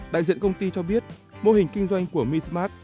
đại diện công ty cho biết mô hình kinh doanh của mi smart